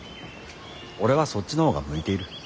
俺はそっちの方が向いている。